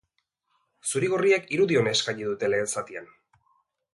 Zuri-gorriek irudi ona eskaini dute lehen zatian.